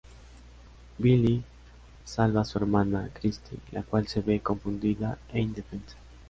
Billie salva a su hermana Christie la cual se ve confundida e indefensa.